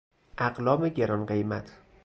اقلام گرانقیمت